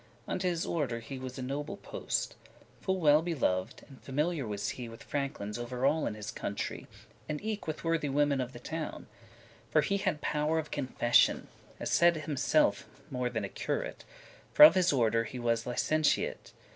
Unto his order he was a noble post; Full well belov'd, and familiar was he With franklins *over all* in his country, *everywhere* And eke with worthy women of the town: For he had power of confession, As said himselfe, more than a curate, For of his order he was licentiate.